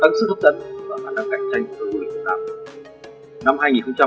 tăng sức hấp dẫn và phản ứng cạnh tranh của du lịch việt nam